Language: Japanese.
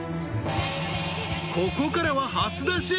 ［ここからは初出し。